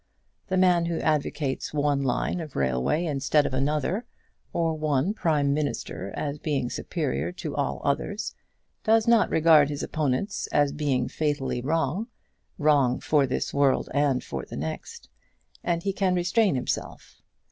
The man who advocates one line of railway instead of another, or one prime minister as being superior to all others, does not regard his opponents as being fatally wrong, wrong for this world and for the next, and he can restrain himself.